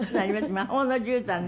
「魔法のじゅうたん」ね